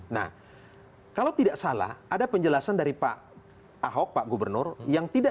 nah kalau tidak salah ada penjelasan dari pak ahok pak gubernur yang tidak